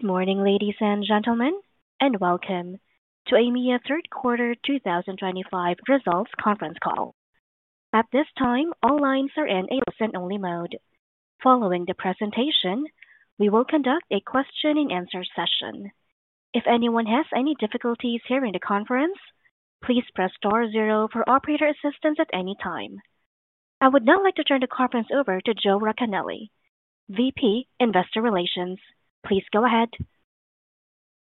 Good morning, ladies and gentlemen, and welcome to Aimia Third Quarter 2025 Results Conference Call. At this time, all lines are in a listen-only mode. Following the presentation, we will conduct a question-and-answer session. If anyone has any difficulties hearing the conference, please press star zero for operator assistance at any time. I would now like to turn the conference over to Joe Racanelli, VP, Investor Relations. Please go ahead.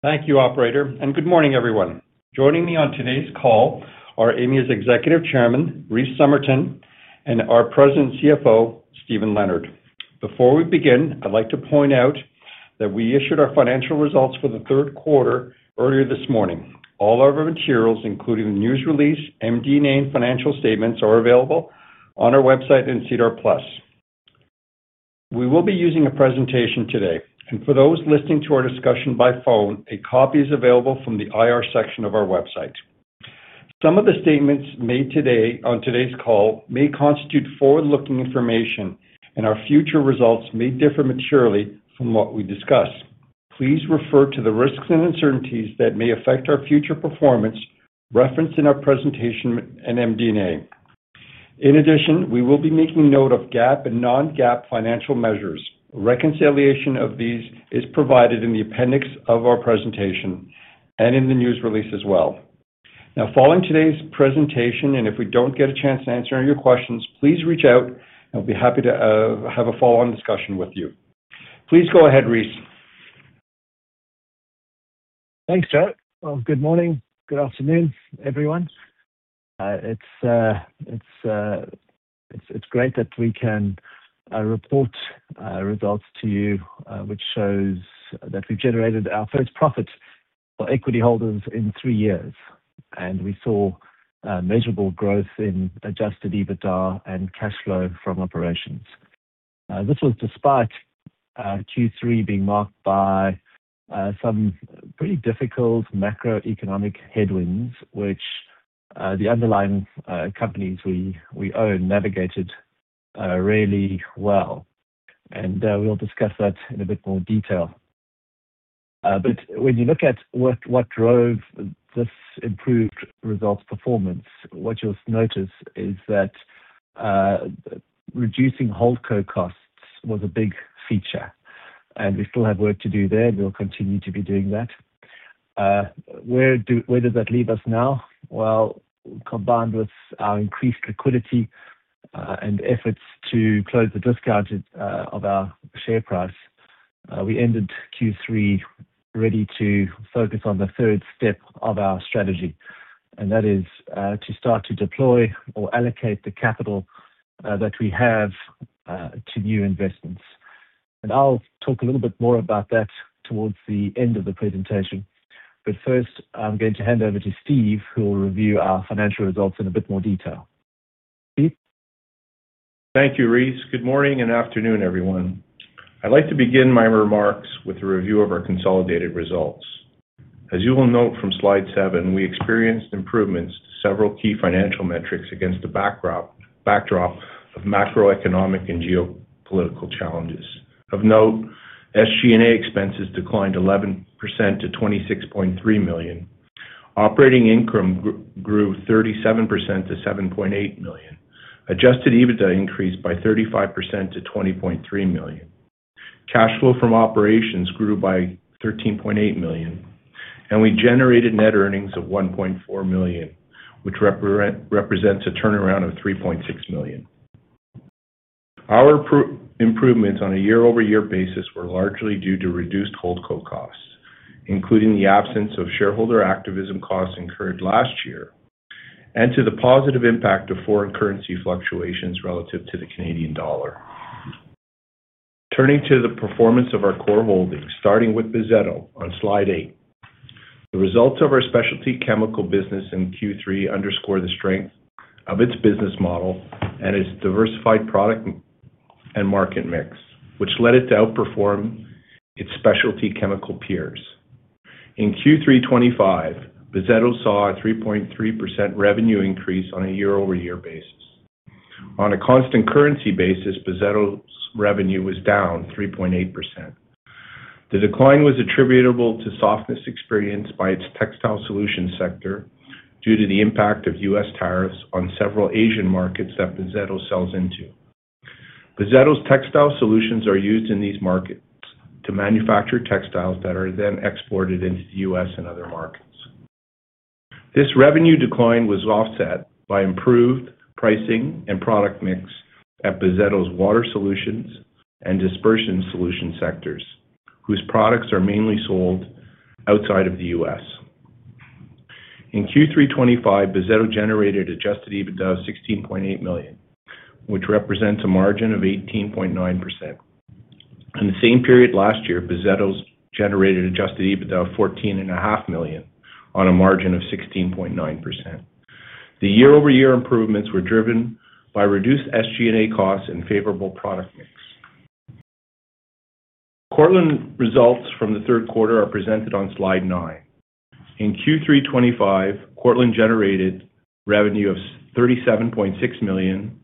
Thank you, Operator, and good morning, everyone. Joining me on today's call are Aimia's Executive Chairman, Rhys Summerton, and our President and CFO, Steven Leonard. Before we begin, I'd like to point out that we issued our financial results for the third quarter earlier this morning. All our materials, including the news release, MD&A, and financial statements, are available on our website and SEDAR+. We will be using a presentation today, and for those listening to our discussion by phone, a copy is available from the IR section of our website. Some of the statements made today on today's call may constitute forward-looking information, and our future results may differ materially from what we discuss. Please refer to the risks and uncertainties that may affect our future performance referenced in our presentation and MD&A. In addition, we will be making note of GAAP and non-GAAP financial measures. Reconciliation of these is provided in the appendix of our presentation and in the news release as well. Now, following today's presentation, and if we do not get a chance to answer any of your questions, please reach out, and we will be happy to have a follow-on discussion with you. Please go ahead, Rhys. Thanks, Joe. Good morning, good afternoon, everyone. It's great that we can report results to you, which shows that we've generated our first profit for equity holders in three years, and we saw measurable growth in Adjusted EBITDA and cash flow from operations. This was despite Q3 being marked by some pretty difficult macroeconomic headwinds, which the underlying companies we own navigated really well. We'll discuss that in a bit more detail. When you look at what drove this improved results performance, what you'll notice is that reducing whole co-costs was a big feature, and we still have work to do there, and we'll continue to be doing that. Where does that leave us now? Combined with our increased liquidity and efforts to close the discount of our share price, we ended Q3 ready to focus on the third step of our strategy, and that is to start to deploy or allocate the capital that we have to new investments. I'll talk a little bit more about that towards the end of the presentation. First, I'm going to hand over to Steve, who will review our financial results in a bit more detail. Steve? Thank you, Rhys. Good morning and afternoon, everyone. I'd like to begin my remarks with a review of our consolidated results. As you will note from slide seven, we experienced improvements to several key financial metrics against the backdrop of macroeconomic and geopolitical challenges. Of note, SG&A expenses declined 11% to 26.3 million. Operating income grew 37% to 7.8 million. Adjusted EBITDA increased by 35% to 20.3 million. Cash flow from operations grew by 13.8 million, and we generated net earnings of 1.4 million, which represents a turnaround of 3.6 million. Our improvements on a year-over-year basis were largely due to reduced whole co-costs, including the absence of shareholder activism costs incurred last year, and to the positive impact of foreign currency fluctuations relative to the Canadian dollar. Turning to the performance of our core holdings, starting with Bozzetto on slide eight, the results of our specialty chemical business in Q3 underscore the strength of its business model and its diversified product and market mix, which led it to outperform its specialty chemical peers. In Q3 2025, Bozzetto saw a 3.3% revenue increase on a year-over-year basis. On a constant currency basis, Bozzetto's revenue was down 3.8%. The decline was attributable to softness experienced by its textile solutions sector due to the impact of U.S. tariffs on several Asian markets that Bozzetto sells into. Bozzetto's textile solutions are used in these markets to manufacture textiles that are then exported into the U.S. and other markets. This revenue decline was offset by improved pricing and product mix at Bozzetto's water solutions and dispersion solutions sectors, whose products are mainly sold outside of the U.S. In Q3 2025, Bozzetto generated Adjusted EBITDA of 16.8 million, which represents a margin of 18.9%. In the same period last year, Bozzetto generated Adjusted EBITDA of 14.5 million on a margin of 16.9%. The year-over-year improvements were driven by reduced SG&A costs and favorable product mix. Cortland results from the third quarter are presented on slide nine. In Q3 2025, Cortland generated revenue of 37.6 million,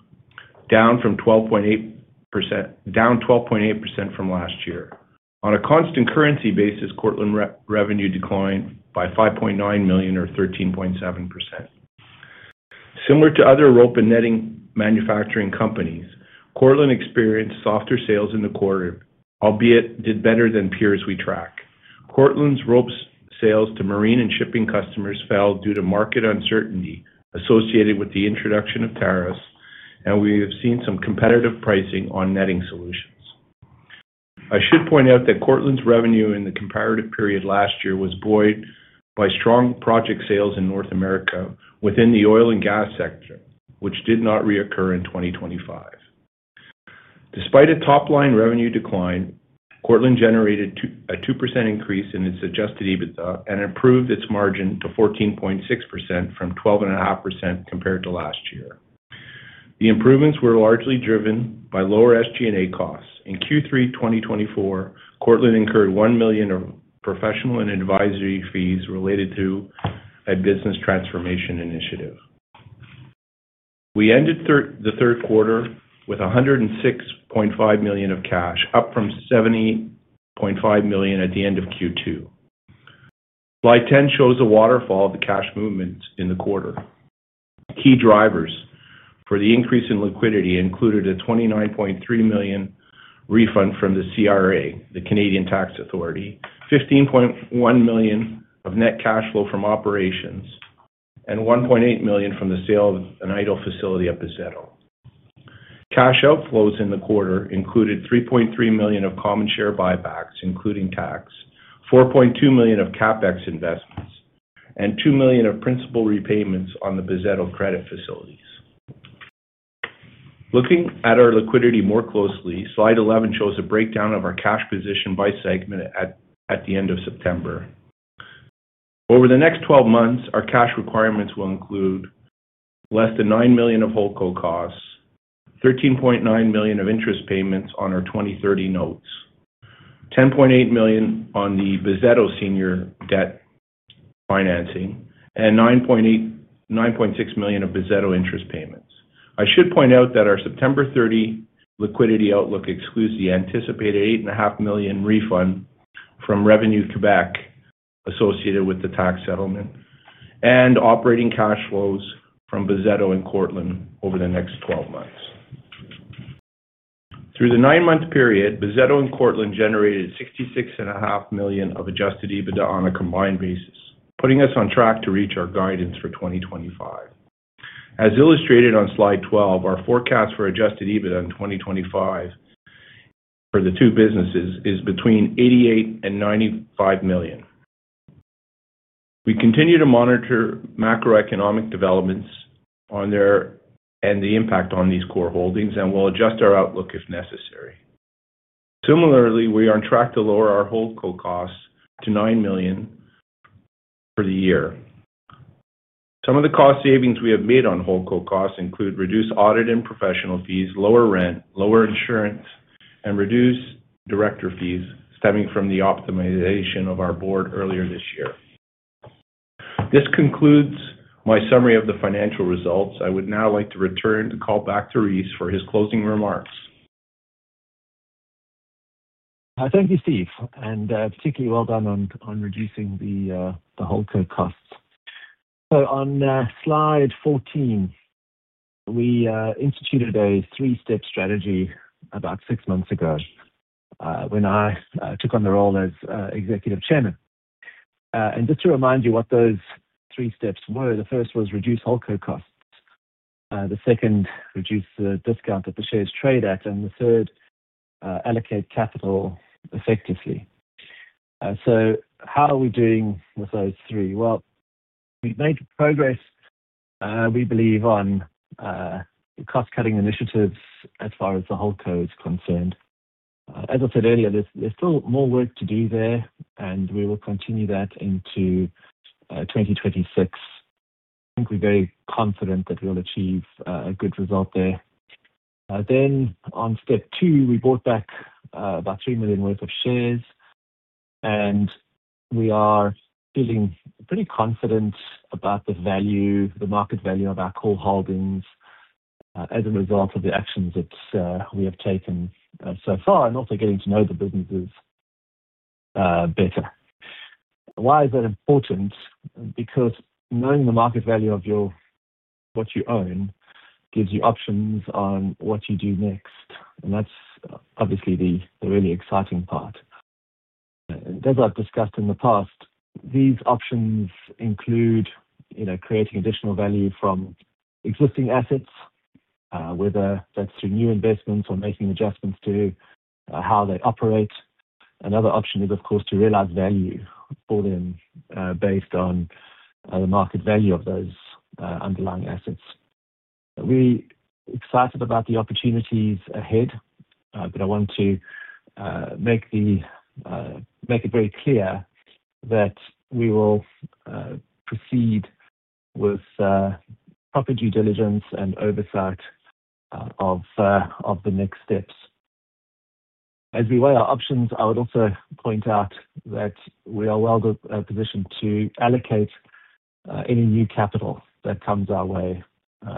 down 12.8% from last year. On a constant currency basis, Cortland revenue declined by 5.9 million or 13.7%. Similar to other rope and netting manufacturing companies, Cortland experienced softer sales in the quarter, albeit did better than peers we track. Cortland's rope sales to marine and shipping customers fell due to market uncertainty associated with the introduction of tariffs, and we have seen some competitive pricing on netting solutions. I should point out that Cortland's revenue in the comparative period last year was buoyed by strong project sales in North America within the oil and gas sector, which did not reoccur in 2025. Despite a top-line revenue decline, Cortland generated a 2% increase in its Adjusted EBITDA and improved its margin to 14.6% from 12.5% compared to last year. The improvements were largely driven by lower SG&A costs. In Q3 2024, Cortland incurred 1 million of professional and advisory fees related to a business transformation initiative. We ended the third quarter with 106.5 million of cash, up from 70.5 million at the end of Q2. Slide 10 shows the waterfall of the cash movements in the quarter. Key drivers for the increase in liquidity included a 29.3 million refund from the CRA, the Canadian tax authority, 15.1 million of net cash flow from operations, and 1.8 million from the sale of an idle facility at Bozzetto. Cash outflows in the quarter included 3.3 million of common share buybacks, including tax, 4.2 million of CapEx investments, and 2 million of principal repayments on the Bozzetto credit facilities. Looking at our liquidity more closely, slide 11 shows a breakdown of our cash position by segment at the end of September. Over the next 12 months, our cash requirements will include less than 9 million of whole co-costs, 13.9 million of interest payments on our 2030 notes, 10.8 million on the Bozzetto senior debt financing, and 9.6 million of Bozzetto interest payments. I should point out that our September 30 liquidity outlook excludes the anticipated 8.5 million refund from Revenue Quebec associated with the tax settlement and operating cash flows from Bozzetto and Cortland over the next 12 months. Through the nine-month period, Bozzetto and Cortland generated 66.5 million of Adjusted EBITDA on a combined basis, putting us on track to reach our guidance for 2025. As illustrated on slide 12, our forecast for Adjusted EBITDA in 2025 for the two businesses is between 88 million and 95 million. We continue to monitor macroeconomic developments and the impact on these core holdings, and we'll adjust our outlook if necessary. Similarly, we are on track to lower our whole co-costs to 9 million for the year. Some of the cost savings we have made on whole co-costs include reduced audit and professional fees, lower rent, lower insurance, and reduced director fees stemming from the optimization of our board earlier this year. This concludes my summary of the financial results. I would now like to return the call back to Rhys for his closing remarks. Thank you, Steve, and particularly well done on reducing the whole co-costs. On slide 14, we instituted a three-step strategy about six months ago when I took on the role as Executive Chairman. Just to remind you what those three steps were, the first was reduce whole co-costs, the second, reduce the discount that the shares trade at, and the third, allocate capital effectively. How are we doing with those three? We have made progress, we believe, on the cost-cutting initiatives as far as the whole co is concerned. As I said earlier, there is still more work to do there, and we will continue that into 2026. I think we are very confident that we will achieve a good result there. On step two, we bought back about $3 million worth of shares, and we are feeling pretty confident about the market value of our core holdings as a result of the actions that we have taken so far and also getting to know the businesses better. Why is that important? Because knowing the market value of what you own gives you options on what you do next, and that is obviously the really exciting part. As I have discussed in the past, these options include creating additional value from existing assets, whether that is through new investments or making adjustments to how they operate. Another option is, of course, to realize value for them based on the market value of those underlying assets. We are excited about the opportunities ahead, but I want to make it very clear that we will proceed with proper due diligence and oversight of the next steps. As we weigh our options, I would also point out that we are well positioned to allocate any new capital that comes our way.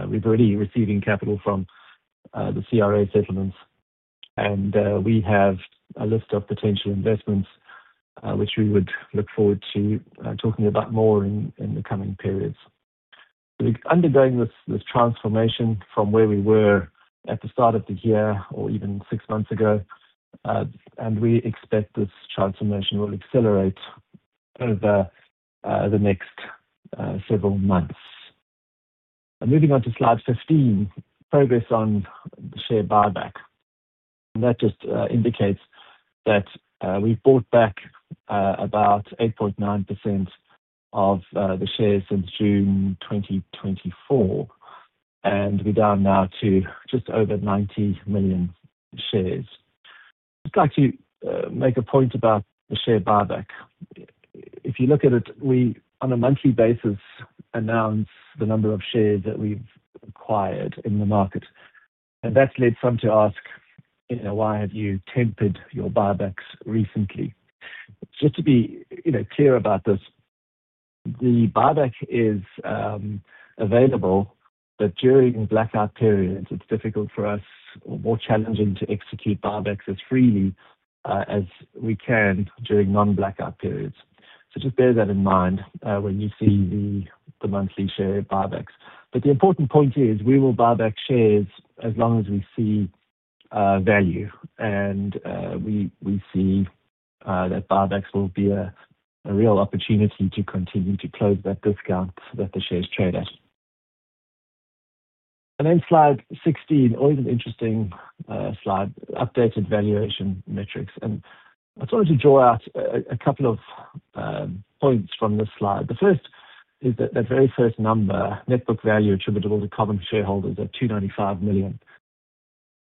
We've already received capital from the Canada Revenue Agency settlements, and we have a list of potential investments which we would look forward to talking about more in the coming periods. We're undergoing this transformation from where we were at the start of the year or even six months ago, and we expect this transformation will accelerate over the next several months. Moving on to slide 15, progress on the share buyback. That just indicates that we've bought back about 8.9% of the shares since June 2024, and we're down now to just over 90 million shares. I'd like to make a point about the share buyback. If you look at it, we on a monthly basis announce the number of shares that we've acquired in the market, and that's led some to ask, "Why have you tempered your buybacks recently?" Just to be clear about this, the buyback is available, but during blackout periods, it's difficult for us or more challenging to execute buybacks as freely as we can during non-blackout periods. Just bear that in mind when you see the monthly share buybacks. The important point is we will buy back shares as long as we see value, and we see that buybacks will be a real opportunity to continue to close that discount that the shares trade at. Slide 16, always an interesting slide, updated valuation metrics. I just wanted to draw out a couple of points from this slide. The first is that very first number, net book value attributable to common shareholders at 295 million.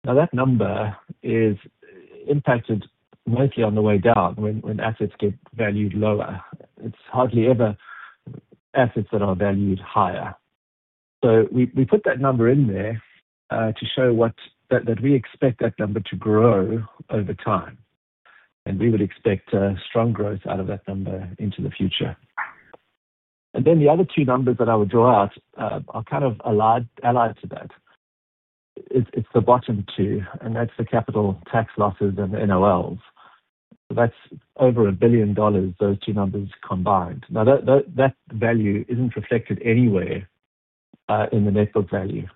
Now, that number is impacted mostly on the way down when assets get valued lower. It's hardly ever assets that are valued higher. We put that number in there to show that we expect that number to grow over time, and we would expect strong growth out of that number into the future. The other two numbers that I would draw out are kind of allied to that. It's the bottom two, and that's the capital tax losses and the NOLs. That's over 1 billion dollars, those two numbers combined. That value isn't reflected anywhere in the net book value,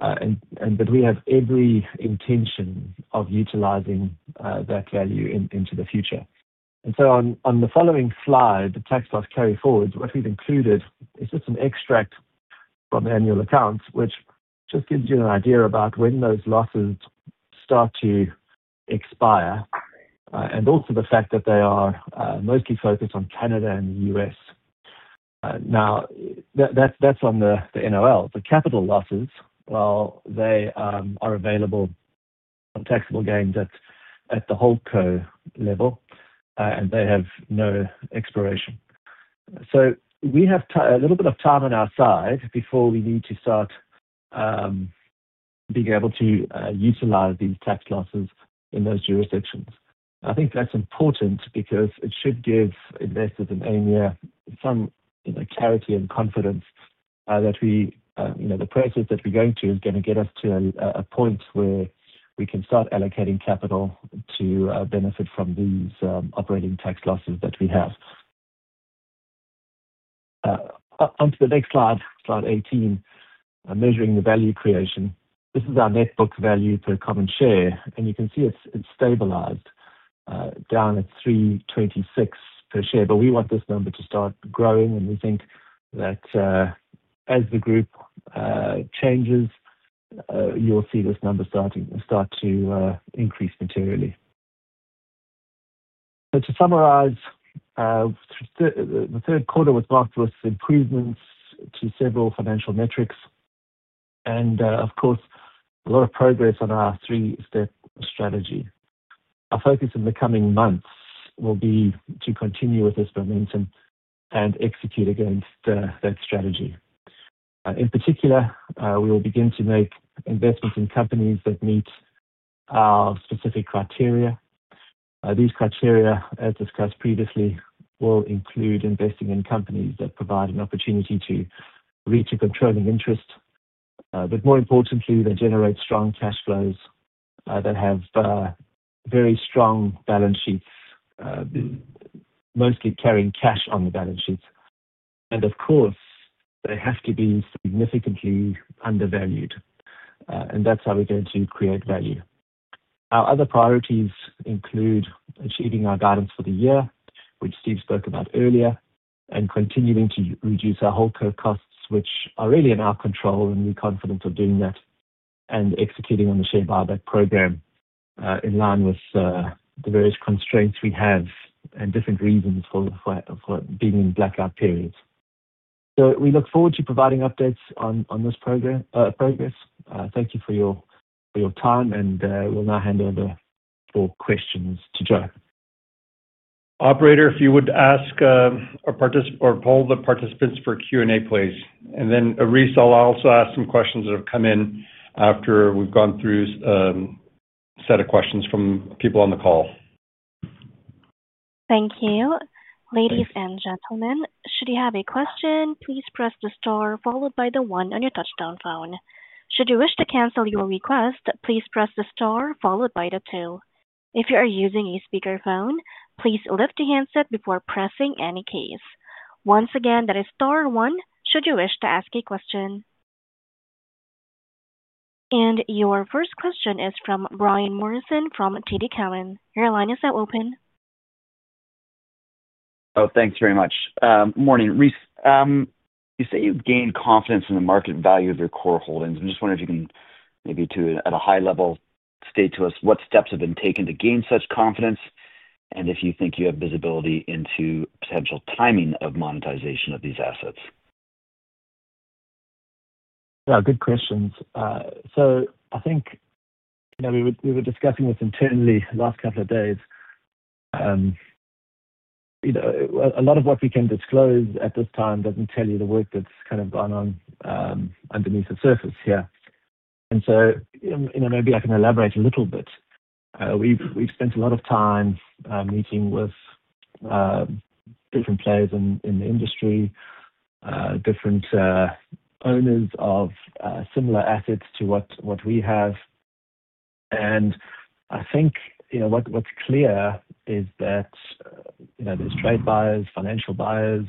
but we have every intention of utilizing that value into the future. On the following slide, the tax loss carry forwards, what we have included is just an extract from annual accounts, which just gives you an idea about when those losses start to expire and also the fact that they are mostly focused on Canada and the U.S. Now, that is on the NOLs. The capital losses, well, they are available for taxable gains at the whole co level, and they have no expiration. We have a little bit of time on our side before we need to start being able to utilize these tax losses in those jurisdictions. I think that is important because it should give investors in Aimia some clarity and confidence that the process that we are going to is going to get us to a point where we can start allocating capital to benefit from these operating tax losses that we have. Onto the next slide, slide 18, measuring the value creation. This is our net book value per common share, and you can see it's stabilized down at 3.26 per share, but we want this number to start growing, and we think that as the group changes, you'll see this number start to increase materially. To summarize, the third quarter was marked with improvements to several financial metrics, and of course, a lot of progress on our three-step strategy. Our focus in the coming months will be to continue with this momentum and execute against that strategy. In particular, we will begin to make investments in companies that meet our specific criteria. These criteria, as discussed previously, will include investing in companies that provide an opportunity to reach a controlling interest, but more importantly, that generate strong cash flows that have very strong balance sheets, mostly carrying cash on the balance sheets. Of course, they have to be significantly undervalued, and that is how we are going to create value. Our other priorities include achieving our guidance for the year, which Steve spoke about earlier, and continuing to reduce our whole co-costs, which are really in our control, and we are confident of doing that and executing on the share buyback program in line with the various constraints we have and different reasons for being in blackout periods. We look forward to providing updates on this progress. Thank you for your time, and we will now hand over for questions to Joe. Operator, if you would ask or poll the participants for Q&A, please. Rhys, I'll also ask some questions that have come in after we've gone through a set of questions from people on the call. Thank you. Ladies and gentlemen, should you have a question, please press the star followed by the one on your touch-tone phone. Should you wish to cancel your request, please press the star followed by the two. If you are using a speakerphone, please lift your handset before pressing any keys. Once again, that is star one. Should you wish to ask a question? Your first question is from Brian Morrison from TD Cowen. Your line is now open. Oh, thanks very much. Morning. Rhys, you say you've gained confidence in the market value of your core holdings. I'm just wondering if you can maybe at a high level state to us what steps have been taken to gain such confidence and if you think you have visibility into potential timing of monetization of these assets. Yeah, good questions. I think we were discussing this internally the last couple of days. A lot of what we can disclose at this time does not tell you the work that has kind of gone on underneath the surface here. Maybe I can elaborate a little bit. We have spent a lot of time meeting with different players in the industry, different owners of similar assets to what we have. I think what is clear is that there are trade buyers, financial buyers,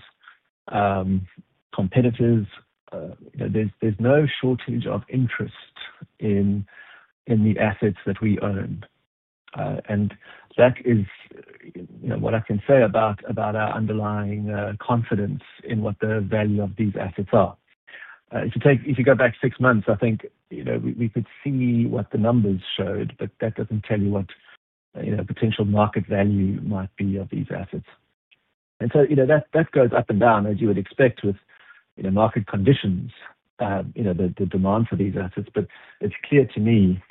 competitors. There is no shortage of interest in the assets that we own. That is what I can say about our underlying confidence in what the value of these assets are. If you go back six months, I think we could see what the numbers showed, but that does not tell you what potential market value might be of these assets. That goes up and down, as you would expect with market conditions, the demand for these assets. It is clear to me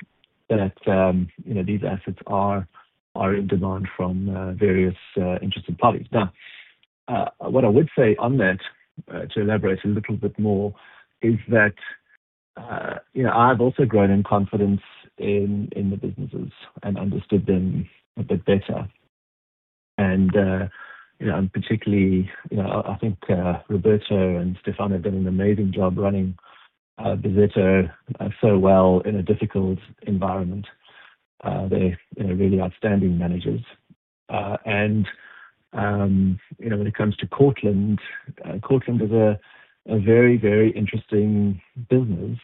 that these assets are in demand from various interested parties. What I would say on that to elaborate a little bit more is that I have also grown in confidence in the businesses and understood them a bit better. Particularly, I think Roberto and Stefano have done an amazing job running Bozzetto so well in a difficult environment. They are really outstanding managers. When it comes to Cortland, Cortland is a very, very interesting business,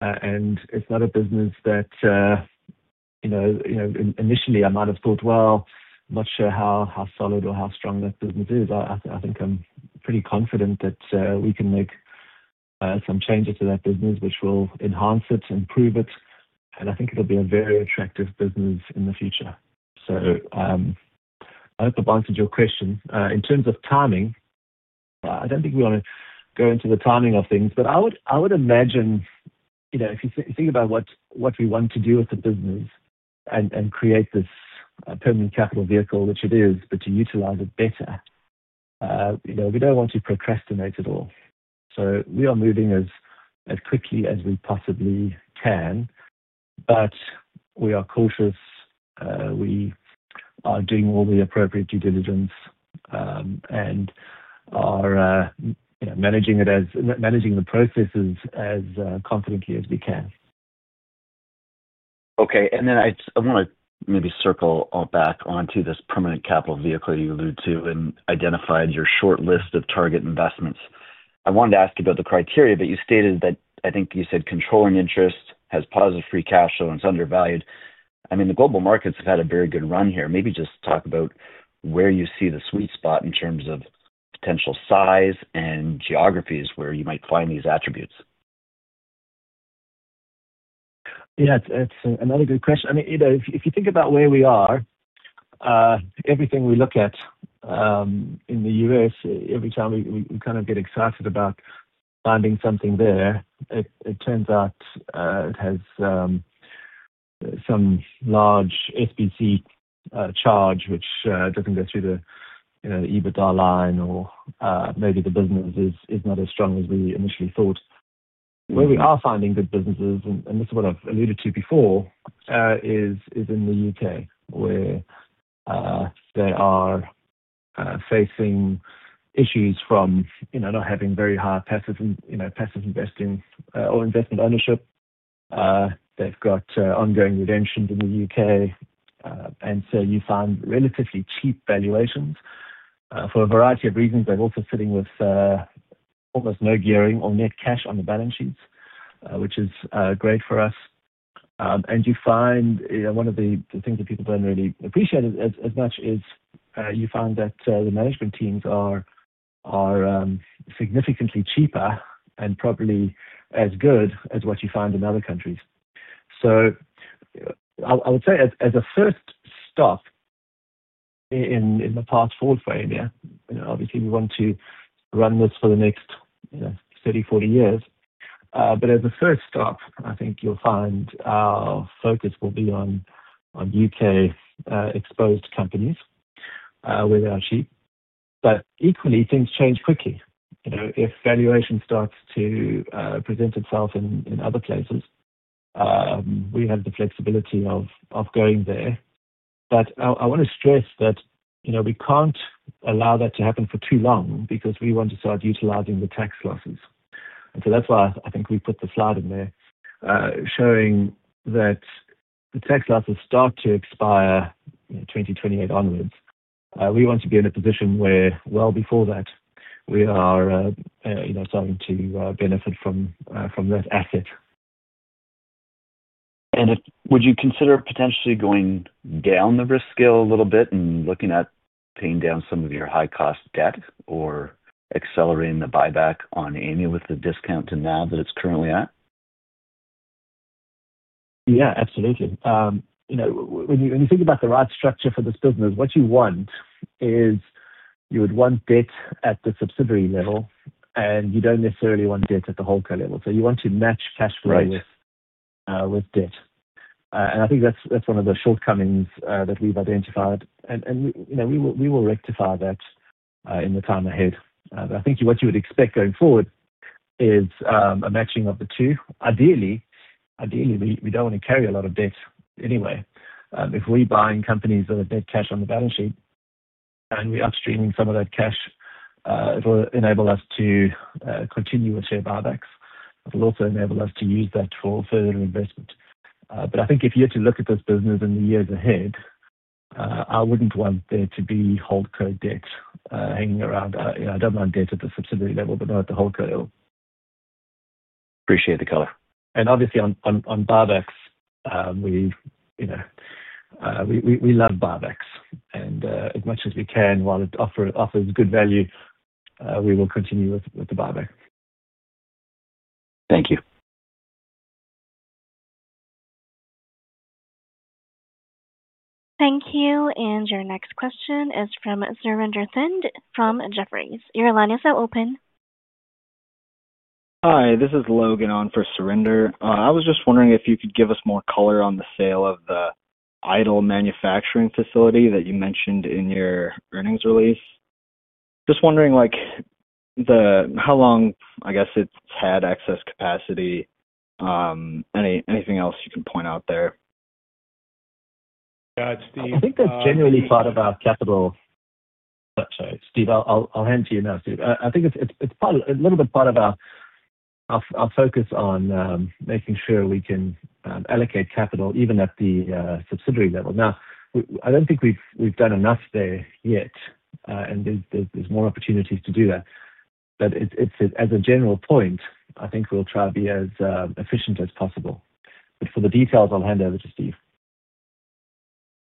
and it's not a business that initially I might have thought, "Well, I'm not sure how solid or how strong that business is." I think I'm pretty confident that we can make some changes to that business which will enhance it, improve it, and I think it'll be a very attractive business in the future. I hope I've answered your question. In terms of timing, I don't think we want to go into the timing of things, but I would imagine if you think about what we want to do with the business and create this permanent capital vehicle, which it is, but to utilize it better. We don't want to procrastinate at all. We are moving as quickly as we possibly can, but we are cautious. We are doing all the appropriate due diligence and are managing the processes as confidently as we can. Okay. I want to maybe circle back onto this permanent capital vehicle you alluded to and identified your short list of target investments. I wanted to ask you about the criteria, but you stated that I think you said controlling interest has positive free cash flow and it's undervalued. I mean, the global markets have had a very good run here. Maybe just talk about where you see the sweet spot in terms of potential size and geographies where you might find these attributes. Yeah, it's another good question. I mean, if you think about where we are, everything we look at in the U.S., every time we kind of get excited about finding something there, it turns out it has some large SBC charge which doesn't go through the EBITDA line or maybe the business is not as strong as we initially thought. Where we are finding good businesses, and this is what I've alluded to before, is in the U.K. where they are facing issues from not having very high passive investing or investment ownership. They've got ongoing redemptions in the U.K., and you find relatively cheap valuations for a variety of reasons. They're also sitting with almost no gearing or net cash on the balance sheets, which is great for us. One of the things that people do not really appreciate as much is you find that the management teams are significantly cheaper and probably as good as what you find in other countries. I would say as a first stop in the path forward for Aimia, obviously, we want to run this for the next 30-40 years. As a first stop, I think you will find our focus will be on U.K.-exposed companies where they are cheap. Equally, things change quickly. If valuation starts to present itself in other places, we have the flexibility of going there. I want to stress that we cannot allow that to happen for too long because we want to start utilizing the tax losses. That is why I think we put the slide in there showing that the tax losses start to expire 2028 onwards. We want to be in a position where, well before that, we are starting to benefit from that asset. Would you consider potentially going down the risk scale a little bit and looking at paying down some of your high-cost debt or accelerating the buyback on Aimia with the discount to now that it's currently at? Yeah, absolutely. When you think about the right structure for this business, what you want is you would want debt at the subsidiary level, and you do not necessarily want debt at the whole co level. You want to match cash flow with debt. I think that is one of the shortcomings that we have identified, and we will rectify that in the time ahead. I think what you would expect going forward is a matching of the two. Ideally, we do not want to carry a lot of debt anyway. If we are buying companies that have net cash on the balance sheet and we are upstreaming some of that cash, it will enable us to continue with share buybacks. It will also enable us to use that for further investment. I think if you had to look at this business in the years ahead, I wouldn't want there to be whole co-costs debt hanging around. I don't want debt at the subsidiary level, but not at the whole co level. Appreciate the color. Obviously, on buybacks, we love buybacks. As much as we can, while it offers good value, we will continue with the buyback. Thank you. Thank you. Your next question is from Surinder Thind from Jefferies. Your line is now open. Hi, this is Logan on for Surinder. I was just wondering if you could give us more color on the sale of the idle manufacturing facility that you mentioned in your earnings release. Just wondering how long, I guess, it's had excess capacity. Anything else you can point out there? Yeah, Steve. I think that's genuinely part of our capital structure. Steve, I'll hand to you now, Steve. I think it's a little bit part of our focus on making sure we can allocate capital even at the subsidiary level. Now, I don't think we've done enough there yet, and there's more opportunities to do that. As a general point, I think we'll try to be as efficient as possible. For the details, I'll hand over to Steve.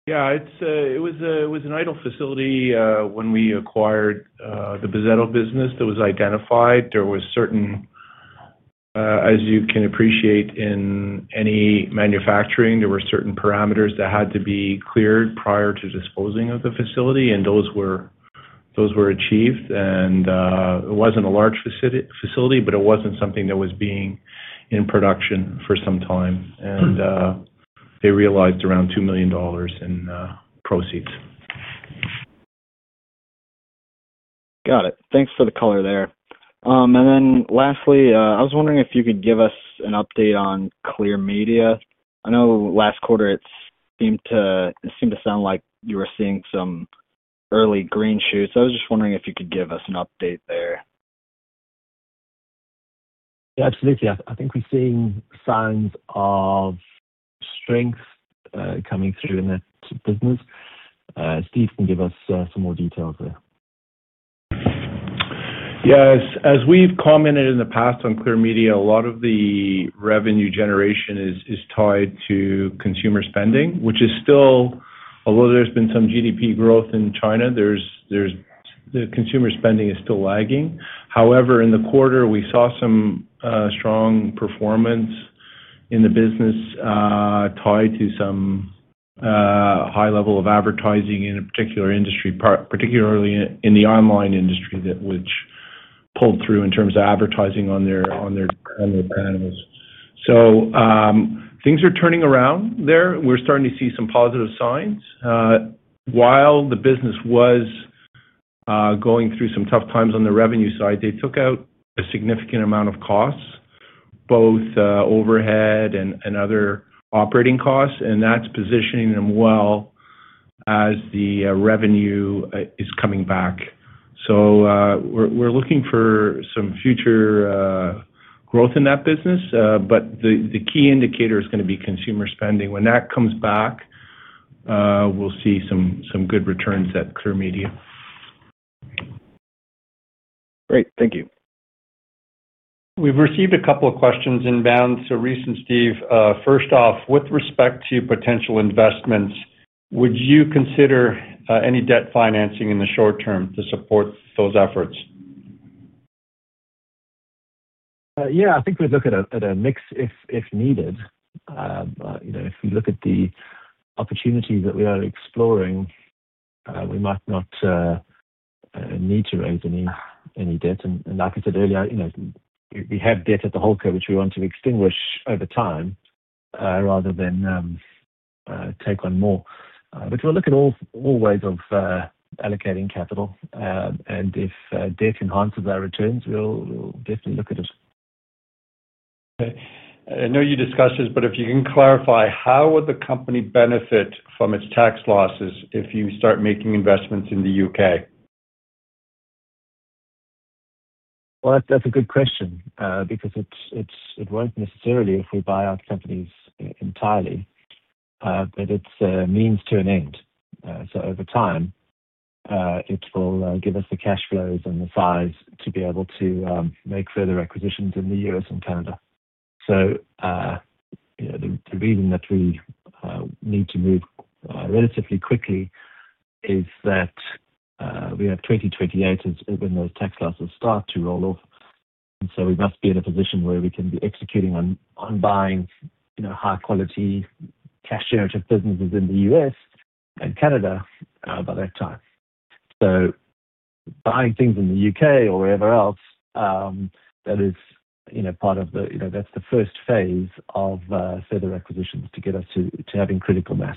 Yeah, it was an idle facility when we acquired the Bozzetto business that was identified. There were certain, as you can appreciate, in any manufacturing, there were certain parameters that had to be cleared prior to disposing of the facility, and those were achieved. It was not a large facility, but it was not something that was being in production for some time. They realized around 2 million dollars in proceeds. Got it. Thanks for the color there. Lastly, I was wondering if you could give us an update on Clear Media. I know last quarter, it seemed to sound like you were seeing some early green shoots. I was just wondering if you could give us an update there. Yeah, absolutely. I think we're seeing signs of strength coming through in that business. Steve can give us some more details there. Yeah, as we've commented in the past on Clear Media, a lot of the revenue generation is tied to consumer spending, which is still, although there's been some GDP growth in China, the consumer spending is still lagging. However, in the quarter, we saw some strong performance in the business tied to some high level of advertising in a particular industry, particularly in the online industry, which pulled through in terms of advertising on their panels. Things are turning around there. We're starting to see some positive signs. While the business was going through some tough times on the revenue side, they took out a significant amount of costs, both overhead and other operating costs, and that's positioning them well as the revenue is coming back. We're looking for some future growth in that business, but the key indicator is going to be consumer spending. When that comes back, we'll see some good returns at Clear Media. Great. Thank you. We've received a couple of questions inbound. So Rhys and Steve, first off, with respect to potential investments, would you consider any debt financing in the short term to support those efforts? Yeah, I think we'd look at a mix if needed. If we look at the opportunity that we are exploring, we might not need to raise any debt. Like I said earlier, we have debt at the whole co, which we want to extinguish over time rather than take on more. We'll look at all ways of allocating capital. If debt enhances our returns, we'll definitely look at it. Okay. I know you discussed this, but if you can clarify, how would the company benefit from its tax losses if you start making investments in the U.K.? That's a good question because it won't necessarily if we buy out companies entirely, but it's a means to an end. Over time, it will give us the cash flows and the size to be able to make further acquisitions in the U.S. and Canada. The reason that we need to move relatively quickly is that we have 2028 when those tax losses start to roll off. We must be in a position where we can be executing on buying high-quality cash-generative businesses in the U.S. and Canada by that time. Buying things in the U.K. or wherever else, that is part of the first phase of further acquisitions to get us to having critical mass.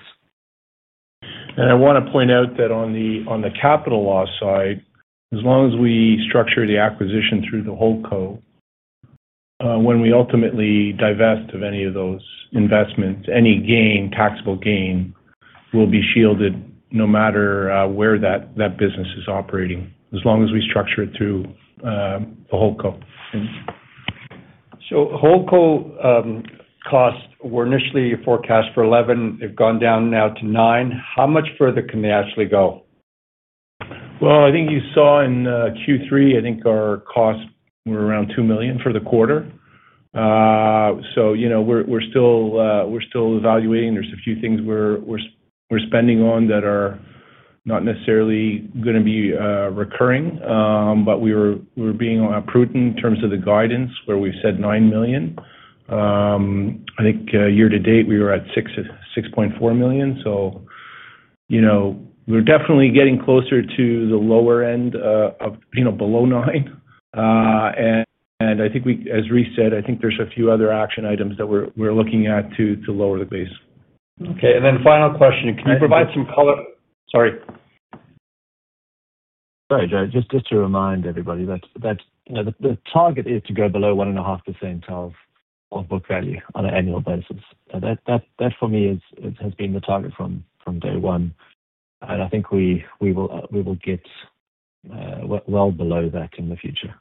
I want to point out that on the capital loss side, as long as we structure the acquisition through the whole co, when we ultimately divest of any of those investments, any gain, taxable gain, will be shielded no matter where that business is operating, as long as we structure it through the whole co. Whole co-costs were initially forecast for $11. They've gone down now to $9. How much further can they actually go? I think you saw in Q3, I think our costs were around 2 million for the quarter. We are still evaluating. There are a few things we are spending on that are not necessarily going to be recurring, but we are being prudent in terms of the guidance where we have said 9 million. I think year to date, we were at 6.4 million. We are definitely getting closer to the lower end of below 9 million. I think, as Rhys said, there are a few other action items that we are looking at to lower the base. Okay. And then final question. Can you provide some color? Sorry. Sorry, Joe. Just to remind everybody, the target is to go below 1.5% of book value on an annual basis. That for me has been the target from day one. I think we will get well below that in the future.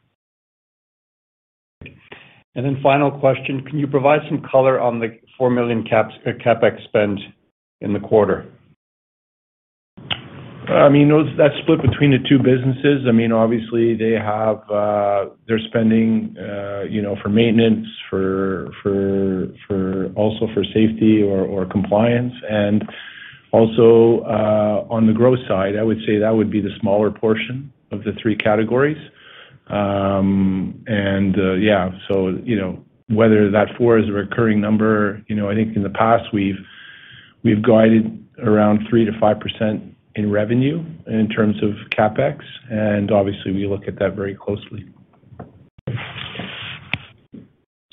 Then final question. Can you provide some color on the $4 million CapEx spend in the quarter? I mean, that's split between the two businesses. I mean, obviously, they have their spending for maintenance, also for safety or compliance. And also on the growth side, I would say that would be the smaller portion of the three categories. Yeah, so whether that $4 million is a recurring number, I think in the past, we've guided around 3%-5% in revenue in terms of CapEx. Obviously, we look at that very closely.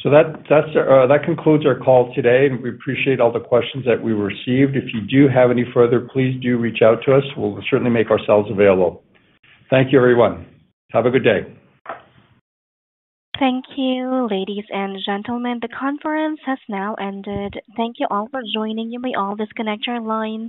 That concludes our call today. We appreciate all the questions that we received. If you do have any further, please do reach out to us. We'll certainly make ourselves available. Thank you, everyone. Have a good day. Thank you, ladies and gentlemen. The conference has now ended. Thank you all for joining. You may all disconnect your lines.